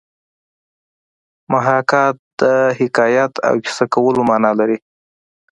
محاکات د حکایت او کیسه کولو مانا لري